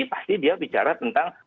pasti dia bicara tentang